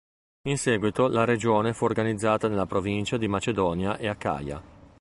In seguito la regione fu organizzata nella provincia di Macedonia e Acaia.